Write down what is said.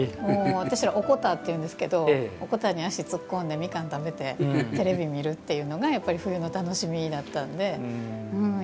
私ら「おこた」って言うんですけどおこたに足突っ込んでみかんを食べてテレビを見るというのがやっぱり冬の楽しみだったんで。